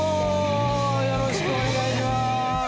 よろしくお願いします。